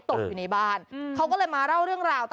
ตกอยู่ในบ้านเขาก็เลยมาเล่าเรื่องราวต่อ